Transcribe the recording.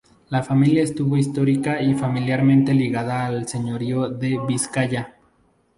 La familia estuvo histórica y familiarmente ligada al señorío de Vizcaya.